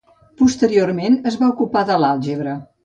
Posteriorment es va ocupar de l'àlgebra.